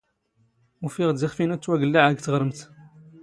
ⵓⴼⵉⵖ ⴷ ⵉⵅⴼ ⵉⵏⵓ ⵜⵜⵡⴰⴳⵍⵍⴰⵄⵖ ⴳ ⵜⵖⵎⵔⵜ.